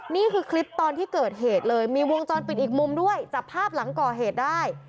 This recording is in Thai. นี่คือคลิปตอนที่เกิดเหตุเลยมีวงจรปิดอีกมุมด้วยจับภาพหลังก่อเหตุได้